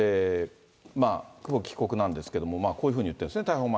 久保木被告なんですが、こういうふうに言ってるんですね、逮捕前。